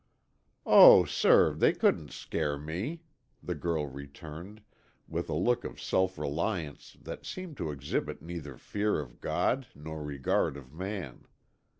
"Oh, sir, they couldn't scare me," the girl returned, with a look of self reliance that seemed to exhibit neither fear of God nor regard of man.